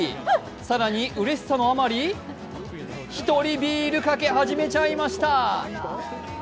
更にうれしさのあまり１人ビールかけ始めちゃいました。